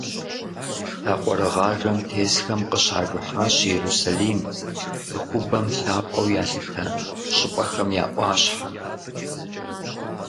Лъакъуэрыгъажэм тесхэм къыщажыхьащ Иерусалим - цӏыхубэм лъапӏэу ялъытэ щӏыпӏэхэм я ӏуащхьэм.